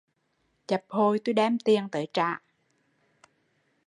Chặp hồi tui đem tiền tới trả